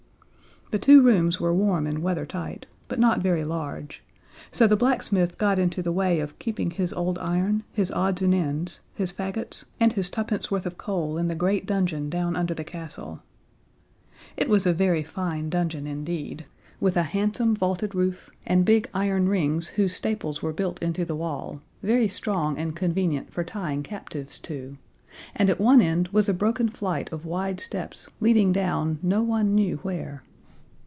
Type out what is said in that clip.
The two rooms were warm and weather tight, but not very large; so the blacksmith got into the way of keeping his old iron, his odds and ends, his fagots, and his twopence worth of coal in the great dungeon down under the castle. It was a very fine dungeon indeed, with a handsome vaulted roof and big iron rings whose staples were built into the wall, very strong and convenient for tying captives to, and at one end was a broken flight of wide steps leading down no one knew where.